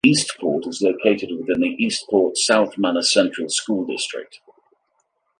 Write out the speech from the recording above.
Eastport is located within the Eastport-South Manor Central School District.